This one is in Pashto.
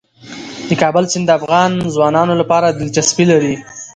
د کابل سیند د افغان ځوانانو لپاره دلچسپي لري.